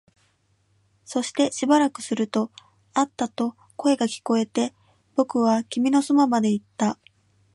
そしてしばらくすると、あったと声が聞こえて、僕は君のそばまで行った